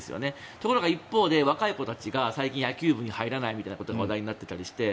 ところが一方で、若い子たちが最近、野球部に入らないことが話題になっていたりして。